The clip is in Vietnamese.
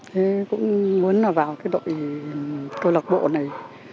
thế cũng muốn là vào cái đội câu lạc bộ này